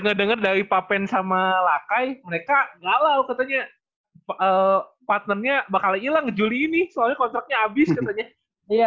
ngedenger dari pak pen sama lakai mereka galau katanya partnernya bakal ilang juli ini soalnya kontraknya abis katanya